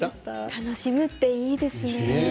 楽しむっていいですね。